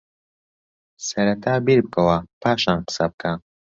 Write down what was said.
سەرەتا بیر بکەوە پاشان قسەبکە